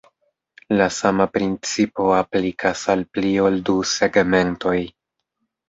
La sama principo aplikas al pli ol du segmentoj.